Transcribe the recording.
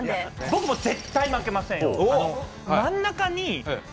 僕も絶対負けませんよ。